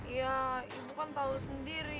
ya ibu kan tahu sendiri